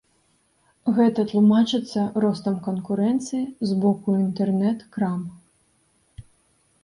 Гэта тлумачыцца ростам канкурэнцыі з бокуінтэрнэт-крам.